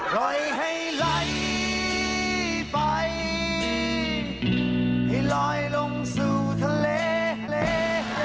ปล่อยให้ไหลไปให้ลอยลงสู่ทะเล